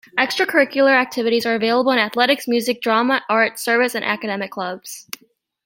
Extracurricular activities are available in athletics, music, drama, art, service and academic clubs.